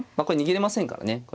これ逃げれませんからね。